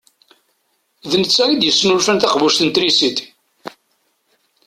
D netta i d-yesnulfan taqbuct n trisit.